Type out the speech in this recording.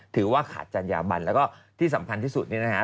ถือว่าขาดจัญญาบันแล้วก็ที่สำคัญที่สุดนี่นะฮะ